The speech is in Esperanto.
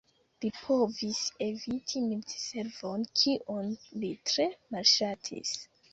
Li povis eviti militservon, kion li tre malŝatis.